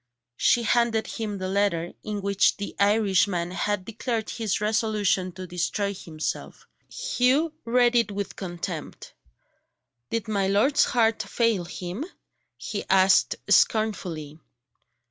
She handed him the letter, in which the Irishman had declared his resolution to destroy himself. Hugh read it with contempt. "Did my lord's heart fail him?" he asked scornfully.